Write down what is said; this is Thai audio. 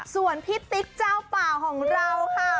ส่วนพี่ติ๊กเจ้าป่าของเราค่ะ